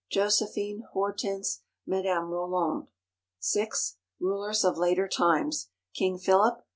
JOSEPHINE. HORTENSE. MADAME ROLAND. VI. Rulers of Later Times. KING PHILIP.